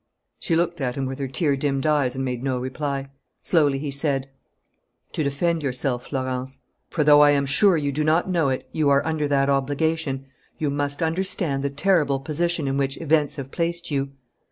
She looked at him with her tear dimmed eyes and made no reply. Slowly, he said: "To defend yourself, Florence for, though I am sure you do not know it, you are under that obligation you must understand the terrible position in which events have placed you.